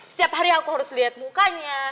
setiap hari aku harus lihat mukanya